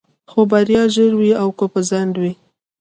خو بريا ژر وي او که په ځنډ وي.